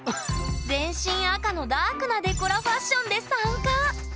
全身赤のダークなデコラファッションで参加千葉！